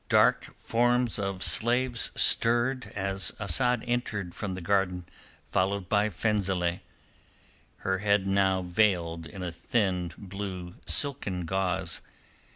Dark forms of slaves stirred as Asad entered from the garden followed by Fenzileh, her head now veiled in a thin blue silken gauze.